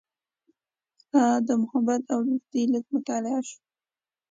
ستا د محبت او دوستۍ لیک مطالعه شو.